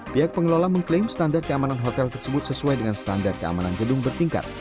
pihak pengelola mengklaim standar keamanan hotel tersebut sesuai dengan standar keamanan gedung bertingkat